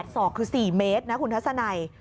ศอกคือ๔เมตรนะคุณทัศนัย